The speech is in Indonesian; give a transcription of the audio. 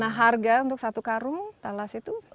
nah harga untuk satu karung tales itu berapa